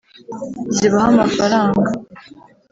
zibahe amafaranga